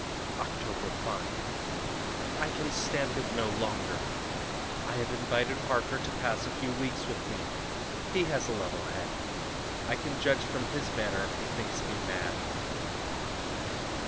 "Oct. 5. I can stand it no longer; I have invited Harker to pass a few weeks with me he has a level head. I can judge from his manner if he thinks me mad.